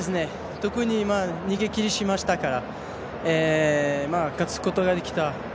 逃げきりしましたから勝つことができた。